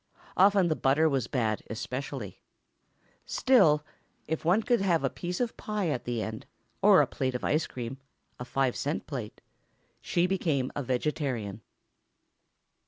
Often the butter was bad, especially. Still, if one could have a piece of pie at the end ... or a plate of ice cream—a five cent plate ... she became a vegetarian.